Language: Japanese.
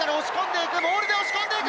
モールで押し込んでいく！